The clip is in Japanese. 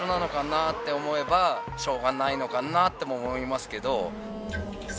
思えばしょうがないのかなとも思いますけど。